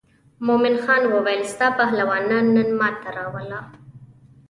مومن خان وویل ستا پهلوانان نن ما ته راوله.